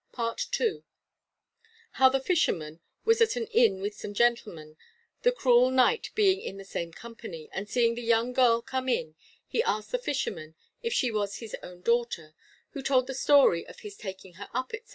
PART II. How the fisherman was at an inn with some gentlemen, the cruel Knight being in the same company, and seeing the young girl come in, he asked the fisherman if she was his own daughter, who told the story of his taking her up, &c.